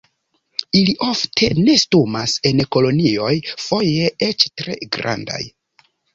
Ili ofte nestumas en kolonioj, foje eĉ tre grandaj.